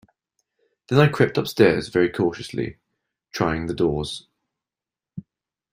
Then I crept upstairs very cautiously, trying the doors.